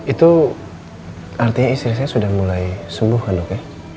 itu artinya istri saya sudah mulai sembuh kan dok ya